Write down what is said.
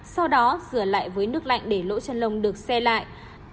sau đó rửa lại với nước lạnh để lỗ chân lồng được xe lại